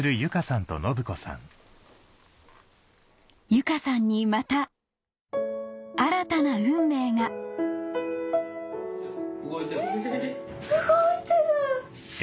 由佳さんにまた新たな運命が・動いてるんですね・え！